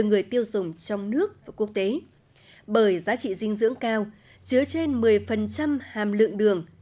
các cơ chế sử dụng trong nước và quốc tế bởi giá trị dinh dưỡng cao chứa trên một mươi hàm lượng đường